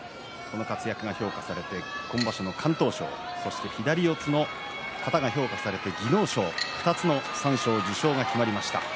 活躍が評価されて今場所は敢闘賞そして左四つの型が評価されて技能賞２つの三賞受賞が決まりました。